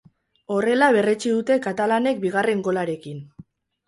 Horrela berretsi dute katalanek bigarren golarekin.